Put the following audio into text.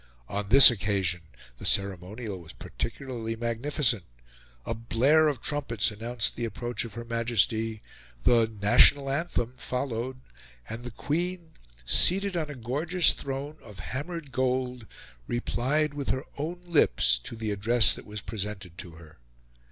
On this occasion the ceremonial was particularly magnificent; a blare of trumpets announced the approach of Her Majesty; the "Natiohal Anthem" followed; and the Queen, seated on a gorgeous throne of hammered gold, replied with her own lips to the address that was presented to her.